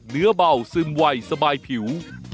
เนื้อเบาซึมวัยสบายผิว